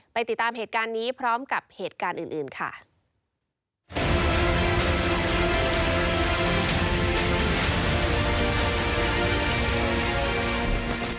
ติดตามเหตุการณ์นี้พร้อมกับเหตุการณ์อื่นค่ะ